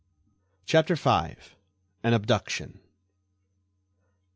CHAPTER V. AN ABDUCTION.